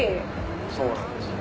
そうなんですよ。